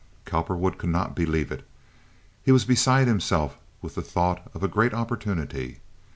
Cowperwood could not believe it. He was beside himself with the thought of a great opportunity.